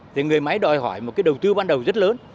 thì người máy đòi hỏi một cái đầu tư ban đầu rất lớn